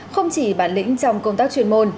không chỉ bản lĩnh trong công tác chuyên môn